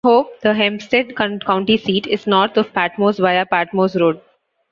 Hope, the Hempstead County seat, is north of Patmos via Patmos Road.